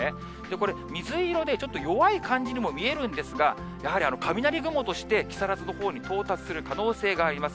これ、水色でちょっと弱い感じにも見えるんですが、やはり雷雲として木更津のほうに到達する可能性があります。